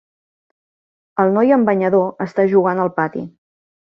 El noi amb banyador està jugant al pati